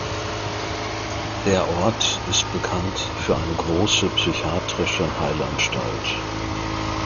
Der Ort ist bekannt für eine große psychiatrische Heilanstalt.